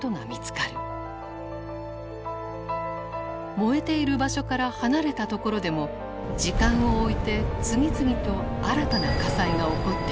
燃えている場所から離れた所でも時間を置いて次々と新たな火災が起こっている。